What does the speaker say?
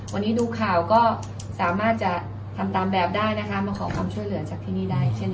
วันนี้ดูข่าวก็สามารถจะทำตามแบบได้นะคะมาขอความช่วยเหลือจากที่นี่ได้เช่น